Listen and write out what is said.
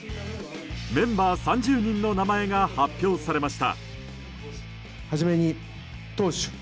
メンバー３０人の名前が発表されました。